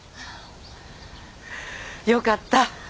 よかった！